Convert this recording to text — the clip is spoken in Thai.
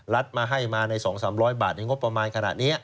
มาให้มาใน๒๓๐๐บาทในงบประมาณขณะนี้